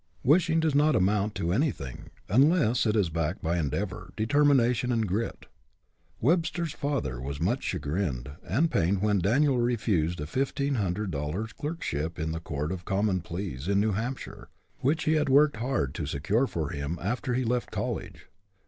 Wishing does not amount to anything unless it is backed by endeavor, determination, and grit. Webster's father was much chagrined and pained when Daniel refused a fifteen hundred dollar clerkship in the court of common pleas in New Hampshire, which he had worked hard to secure for him after he left college.